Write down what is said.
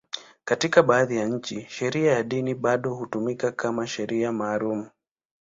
Katika baadhi ya nchi, sheria ya dini bado hutumika kama sheria maalum.